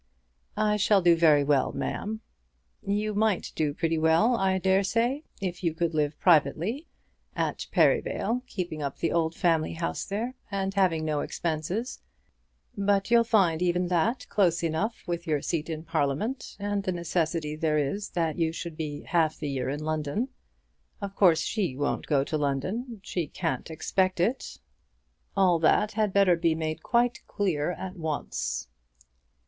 "I shall do very well, ma'am." "You might do pretty well, I dare say, if you could live privately, at Perivale, keeping up the old family house there, and having no expenses; but you'll find even that close enough with your seat in Parliament, and the necessity there is that you should be half the year in London. Of course she won't go to London. She can't expect it. All that had better be made quite clear at once."